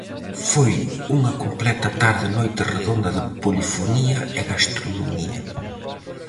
Foi unha completa "tarde-noite redonda de polifonía e gastronomía".